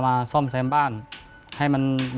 สวัสดีครับน้องเล่จากจังหวัดพิจิตรครับ